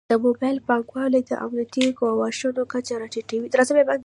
د موبایل بانکوالي د امنیتي ګواښونو کچه راټیټوي.